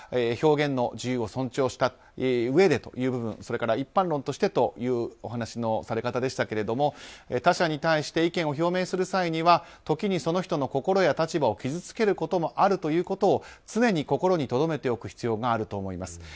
表現の自由を尊重したうえでという部分それから一般論としてというお話のされ方でしたけれども他者に対して意見を表明する際には時にその人の心や立場を傷つけることがあるということを常に心にとどめておく必要があると思います。